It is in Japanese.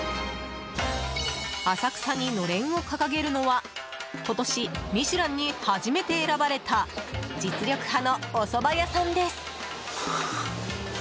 浅草にのれんを掲げるのは今年「ミシュラン」に初めて選ばれた実力派のおそば屋さんです。